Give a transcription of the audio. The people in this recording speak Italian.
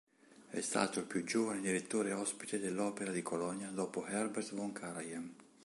È stato il più giovane direttore ospite dell'Opera di Colonia dopo Herbert von Karajan.